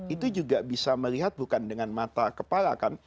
itu juga bisa melihat bukan dengan mata kepala kan